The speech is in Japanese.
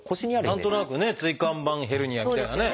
何となくね「椎間板ヘルニア」みたいなね